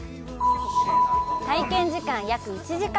体験時間、約１時間。